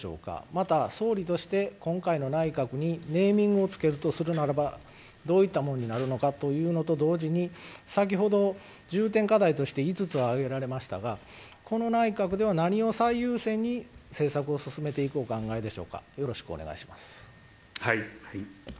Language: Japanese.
また、総理として今回の内閣にネーミングをつけるとするならばどういったものになるのかというのと同時に先ほど、重点課題として５つを挙げられましたがこの内閣では、何を最優先に政策を進めていくお考えでしょうかよろしくお願いします。